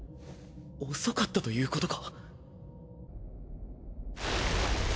遅かったということか？